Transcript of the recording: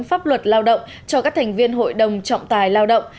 pháp luật lao động cho các thành viên hội đồng trọng tài lao động